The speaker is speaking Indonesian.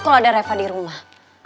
kalau ada reva di rumah